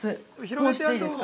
もう、押していいですか。